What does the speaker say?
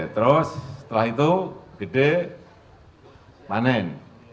terus setelah itu gede panen